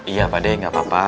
iya pak d nggak apa apa